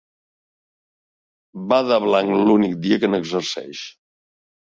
Va de blanc l'únic dia que n'exerceix.